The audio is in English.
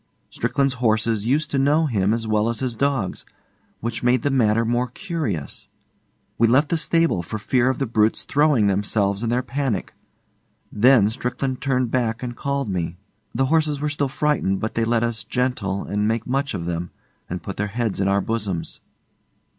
Strickland's horses used to know him as well as his dogs; which made the matter more curious. We left the stable for fear of the brutes throwing themselves in their panic. Then Strickland turned back and called me. The horses were still frightened, but they let us 'gentle' and make much of them, and put their heads in our bosoms.